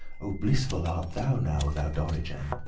Oh, blissful art thou now, thou Dorigen!